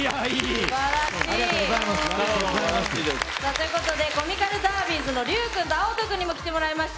ということでコミカルダービーズの龍君とＡｏｔｏ君にも来てもらいました。